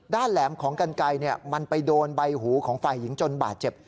แหลมของกันไกลมันไปโดนใบหูของฝ่ายหญิงจนบาดเจ็บ